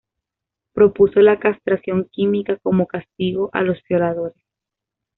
Propuso la castración química como castigo a los violadores.